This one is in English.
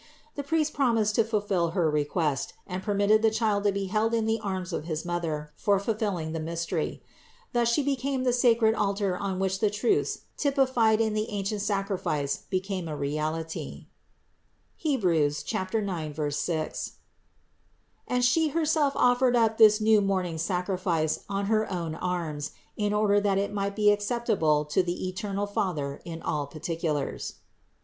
The priest promised to fulfill her request, and permitted the Child to be held in the arms of his Mother for fulfilling the mystery. Thus She became the sacred altar on which the truths typified in the ancient sacrifice became a reality (Heb. 9, 6) ; and She herself offered up this new morning's sacrifice on her own arms in order that it might be acceptable to the eternal Father in all particulars.